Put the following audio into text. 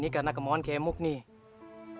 karena kemauan kemuk nih